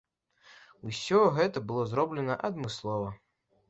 Усё гэта было зроблена адмыслова.